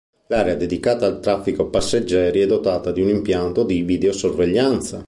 L'area dedicata al traffico passeggeri è dotata di un impianto di videosorveglianza.